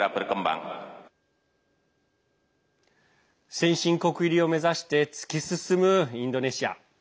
先進国入りを目指して突き進むインドネシア。